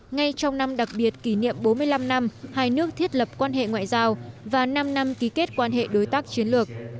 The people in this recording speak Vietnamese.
ngay trong năm đặc biệt kỷ niệm bốn mươi năm năm hai nước thiết lập quan hệ ngoại giao và năm năm ký kết quan hệ đối tác chiến lược